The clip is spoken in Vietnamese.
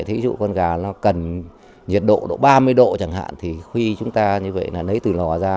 thí dụ con gà nó cần nhiệt độ độ ba mươi độ chẳng hạn thì khi chúng ta như vậy là lấy từ lò ra